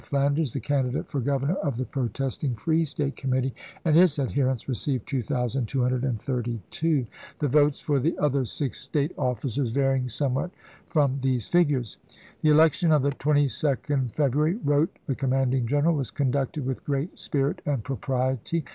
Flanders, the candidate for gov ernor of the protesting Free State Committee and its adherents, received 2232, the votes for the other six State officers varying somewhat from these figures. "The election of the 22d February," wrote the commanding general, " was conducted with great spirit and propriety.